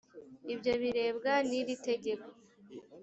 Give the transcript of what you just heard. ibyo birebwa n’iri tegeko